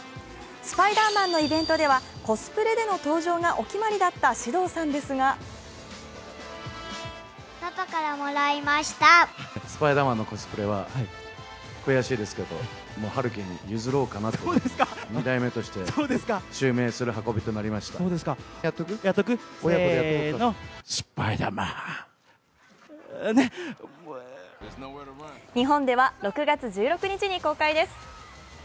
「スパイダーマン」のイベントではコスプレでの登場がお決まりだった獅童さんですが日本では６月１６日に公開です